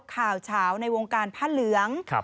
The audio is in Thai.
เฉาในวงการผ้าเหลือง